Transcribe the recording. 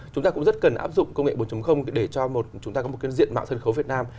chúng ta cũng rất cần áp dụng công nghệ bốn để cho chúng ta có một cái diện mạo sân khấu việt nam